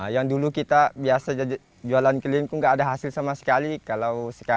yang dulu kita biasa jualan keliling itu nggak bisa di prediksi mas